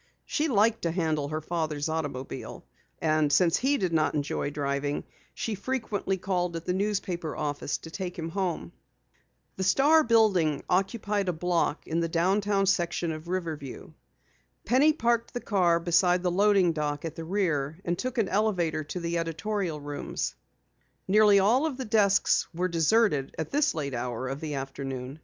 She liked to handle her father's automobile, and since he did not enjoy driving, she frequently called at the newspaper office to take him home. The Star building occupied a block in the downtown section of Riverview. Penny parked the car beside the loading dock at the rear, and took an elevator to the editorial rooms. Nearly all of the desks were deserted at this late hour of the afternoon.